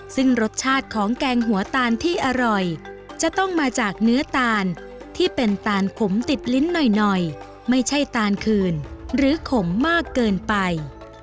ซึ่งรสชาติของแกงหัวตาลที่อร่อยจะต้องมาจากเนื้อตาลที่เป็นตาลขมติดลิ้นหน่อยไม่ใช่ตาลคืนหรือขมมากเกินไป